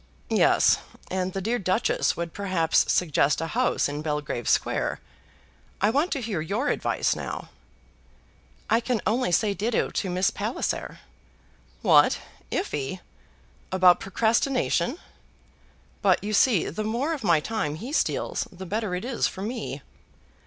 "Yes; and the dear Duchess would perhaps suggest a house in Belgrave Square. I want to hear your advice now." "I can only say ditto to Miss Palliser." "What! Iphy? About procrastination? But you see the more of my time he steals the better it is for me."